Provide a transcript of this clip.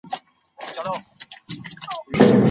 که تضاد وي نو ارامي له منځه ځي.